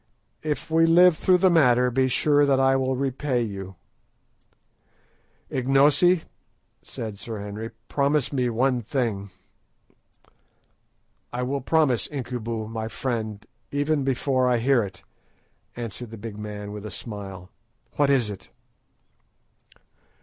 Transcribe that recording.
If we live through the matter, be sure that I will repay you." "Ignosi," said Sir Henry, "promise me one thing." "I will promise, Incubu, my friend, even before I hear it," answered the big man with a smile. "What is it?"